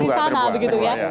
bukan ada di sana begitu ya